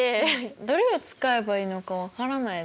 どれを使えばいいのか分からない。